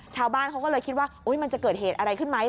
ชาวบ้านเขาก็เลยคิดว่ามันจะเกิดเหตุอะไรขึ้นไหม